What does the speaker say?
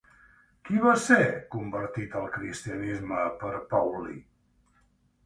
Qui va ser convertit al cristianisme per Paulí?